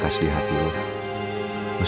karena gue gak mau